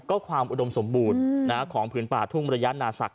ก็ความอดมสมบูรณ์นะของพื้นปลาทุ่งมรญญาติธรรมดาสัคร